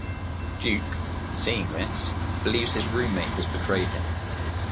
Duke, seeing this, believes his roommate has betrayed him.